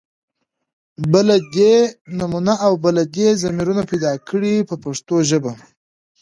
بله دې نومونه او بله دې ضمیرونه پیدا کړي په پښتو ژبه.